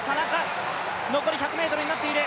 残り１００ｍになっている。